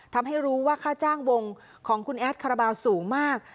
ทำให้รู้ว่าค่าจ้างวงของคุณแอดคาราบาลสูงมาก